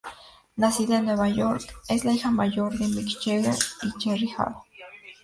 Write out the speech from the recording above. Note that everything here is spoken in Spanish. Nacida en Nueva York, es la hija mayor de Mick Jagger y Jerry Hall.